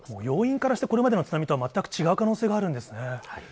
要因からして、これまでの津波とは全く違う可能性があるんですね。